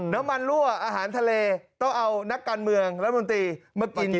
น้ำมันรั่วอาหารทะเลต้องเอานักการเมืองรัฐบนตรีมากินโชว์